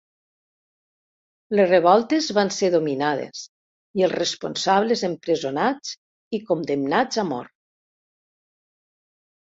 Les revoltes van ser dominades i els responsables empresonats i condemnats a mort.